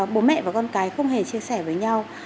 bố mẹ và con cái không hề chia sẻ với nhau